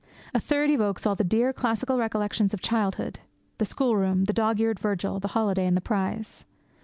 A third evokes all the dear, classical recollections of childhood the schoolroom, the dog eared Virgil, the holiday, and the prize.